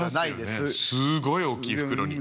すごい大きい袋に。